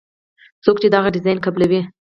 څوک چې دغه ډیزاین قبلوي.